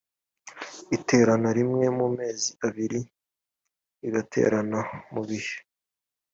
iterana rimwe mumezi abiri igaterana mu bihe